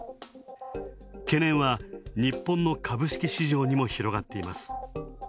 懸念は、日本の株式市場にも広がっています。